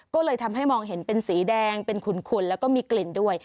ก็เลยทำให้มองเห็นเป็นสีแดงเป็นขุนแล้วก็มีกลิ่นด้วย